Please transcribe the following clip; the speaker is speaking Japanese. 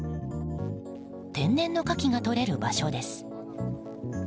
天然のカキがとれる場所です。